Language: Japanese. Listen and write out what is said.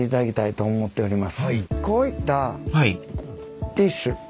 こういったティッシュ。